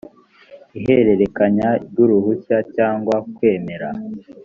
ihererekanya ry uruhushya cyangwa kwemera